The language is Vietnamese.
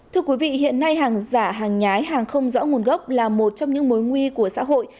thưa quý vị hiện nay hàng giả hàng nhái hàng không rõ nguồn gốc là một trong những mối nguy của xã hội